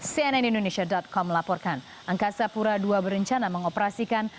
cnn indonesia com melaporkan angkasa pura ii berencana mengoperasikan